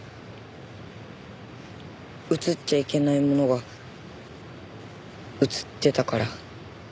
写っちゃいけないものが写ってたから。